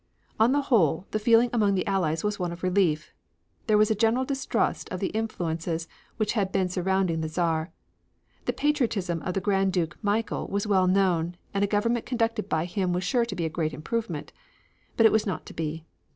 On the whole, the feeling among the Allies was one of relief. There was a general distrust of the influences which had been surrounding the Czar. The patriotism of the Grand Duke Michael was well known, and a government conducted by him was sure to be a great improvement. But it was not to be.